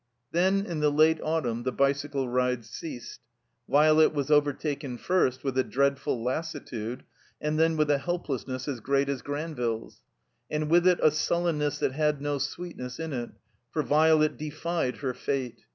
Then in the late autunm the bicycle rides ceased. Violet was overtaken, first, with a dreadful lassitude, then with a helplessness as great as Granville's. And with it a sullenness that had no sweetness in it, for Violet defied her fate.